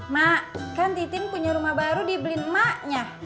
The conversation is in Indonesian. mak kan titing punya rumah baru dibeliin maknya